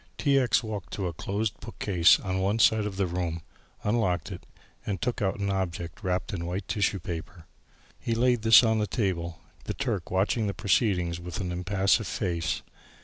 T. X. walked to a closed bookcase on one side of the room, unlocked it, took out an object wrapped in white tissue paper. He laid this on the table, the Turk watching the proceedings with an impassive face.